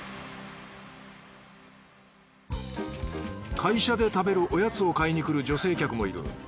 会社で食べるおやつを買いにくる女性客もいる。